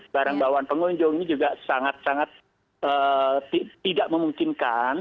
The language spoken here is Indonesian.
barang bawaan pengunjung ini juga sangat sangat tidak memungkinkan